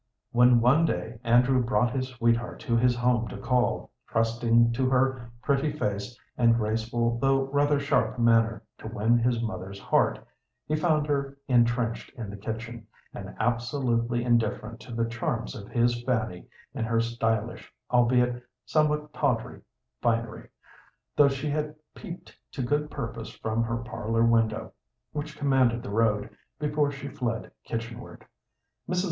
When one day Andrew brought his sweetheart to his home to call, trusting to her pretty face and graceful though rather sharp manner to win his mother's heart, he found her intrenched in the kitchen, and absolutely indifferent to the charms of his Fanny in her stylish, albeit somewhat tawdry, finery, though she had peeped to good purpose from her parlor window, which commanded the road, before she fled kitchenward. Mrs.